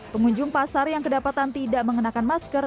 pengunjung pasar yang kedapatan tidak mengenakan masker